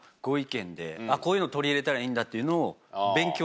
こういうの取り入れたらいいんだっていうのを。